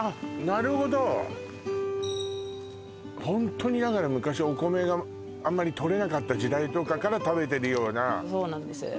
なるほどホントにだから昔お米があんまりとれなかった時代とかから食べてるようなそうなんです